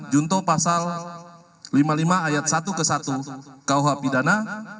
junto pasal lima puluh lima ayat satu ke satu kuh pidana